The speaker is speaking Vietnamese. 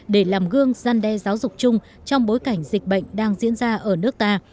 để làm gương gian đe giáo dục chung trong bối cảnh dịch bệnh đang diễn ra ở nước ta